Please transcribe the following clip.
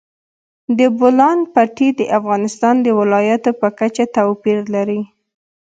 د بولان پټي د افغانستان د ولایاتو په کچه توپیر لري.